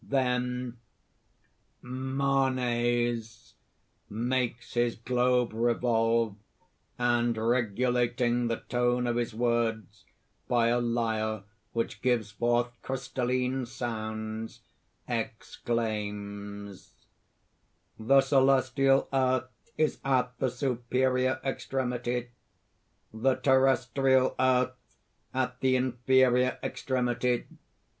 Then _) MANES (makes his globe revolve; and regulating the tone of his words by a lyre which gives forth crystalline sounds, exclaims: ) "The celestial earth is at the superior extremity; the terrestrial earth at the inferior extremity.